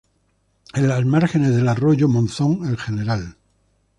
En las márgenes del arroyo Monzón, el Gral.